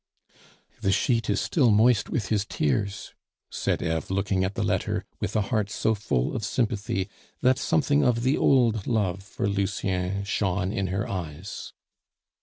"The sheet is still moist with his tears," said Eve, looking at the letter with a heart so full of sympathy that something of the old love for Lucien shone in her eyes.